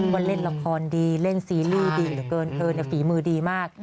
ว่าเล่นละครดีเล่นซีรีส์ดีเหลือเกินเธอฝีมือดีมาก